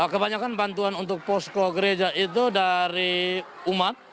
kebanyakan bantuan untuk posko gereja itu dari umat